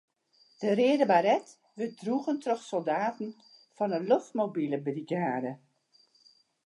De reade baret wurdt droegen troch soldaten fan 'e loftmobile brigade.